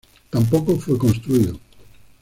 Tampoco fue construido.